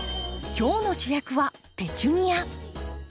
今日の主役はペチュニア。